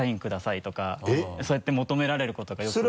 そうやって求められることがよく。